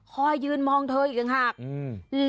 คอยยืนมองเธออีกหรือหากอืม